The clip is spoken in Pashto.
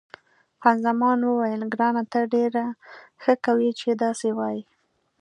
خان زمان وویل، ګرانه ته ډېره ښه کوې چې داسې وایې.